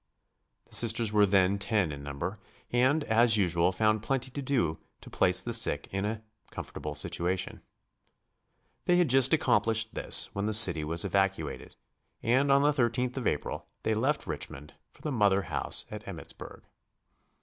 The Sisters were then ten in number, and, as usual, found plenty to do to place the sick in a comfortable situation. They had just accomplished this when the city was evacuated, and on the 13th of April they left Richmond for the Mother House at Emmittsburg.